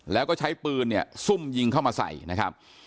แล้วก็ใช้ปืนเนี่ยซุ่มยิงเข้ามาใส่นะครับ